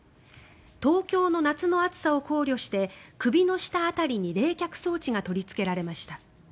東京の夏の暑さを考慮して首の下辺りに冷却装置が取りつけられました。